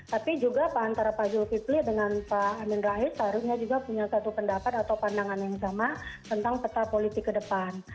tapi juga antara pak zulkifli dengan pak amin rais seharusnya juga punya satu pendapat atau pandangan yang sama tentang peta politik ke depan